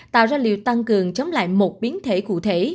tạo ra liệu tăng cường chống lại một biến thể cụ thể